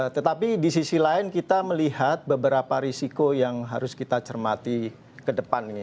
tetapi di sisi lain kita melihat beberapa risiko yang harus kita cermati ke depan ini